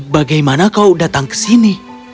bagaimana kau datang ke sini